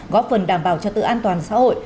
góp phần đảm bảo cho tự an toàn xã hội